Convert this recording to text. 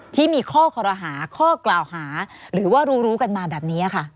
ที่มีข้อคอรหาข้อกล่าวหาหรือว่ารู้รู้กันมาแบบนี้ค่ะ